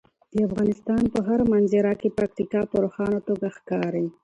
د افغانستان په هره منظره کې پکتیکا په روښانه توګه ښکاري.